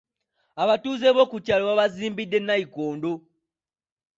Abatuuze b'oku kyalo baabazimbidde nnayikondo.